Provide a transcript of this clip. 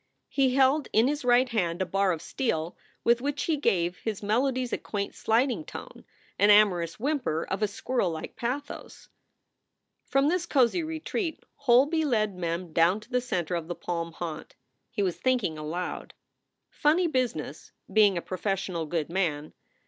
He held in his right hand a bar of steel with which he gave his melodies a quaint sliding tone, an amorous whimper of a squirrellike pathos. From this cozy retreat Holby led Mem down to the center of the palm haunt. He was thinking aloud: "Funny business, being a professional good man.